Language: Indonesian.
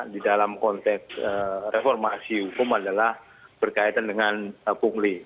di dalam konteks reformasi hukum adalah berkaitan dengan pungli